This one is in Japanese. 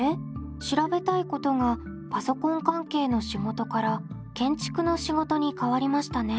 調べたいことがパソコン関係の仕事から建築の仕事に変わりましたね。